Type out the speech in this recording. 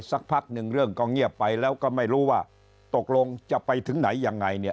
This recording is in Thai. สักพักหนึ่งเรื่องก็เงียบไปแล้วก็ไม่รู้ว่าตกลงจะไปถึงไหนยังไงเนี่ย